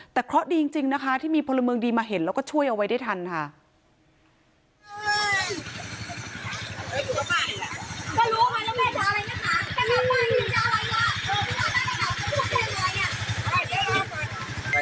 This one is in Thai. แต่เคราะห์ดีจริงนะคะที่มีพลเมืองดีมาเห็นแล้วก็ช่วยเอาไว้ได้ทันค่ะ